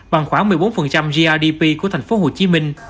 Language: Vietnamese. bằng khoảng một mươi bốn grdp của thành phố hồ chí minh